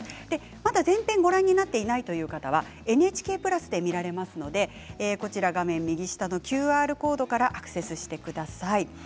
まだ前編をご覧になっていない方はＮＨＫプラスで見られますので画面右下のＱＲコードからアクセスしてみてください。